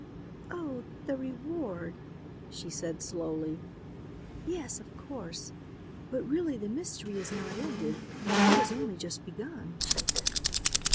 "Oh, the reward," she said slowly. "Yes, of course. But, really, the mystery is not ended it has only just begun."